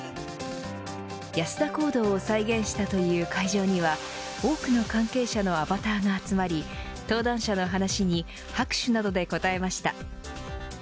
安田講堂を再現したという会場には多くの関係者のアバターが集まり登壇者の話に、拍手などで応えました。